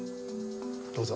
どうぞ。